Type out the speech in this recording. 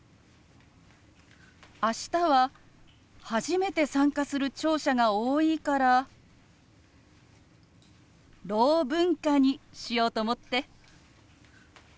明日は初めて参加する聴者が多いから「ろう文化」にしようと思って。